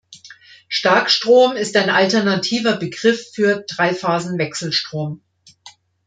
Starkstrom ist ein alternativer Begriff für Dreiphasenwechselstrom.